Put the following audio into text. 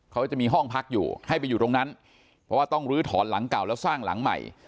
เขาจะมีห้องพักอยู่ให้ไปอยู่ตรงนั้นเพราะว่าต้องลื้อถอนหลังเก่าแล้วสร้างหลังใหม่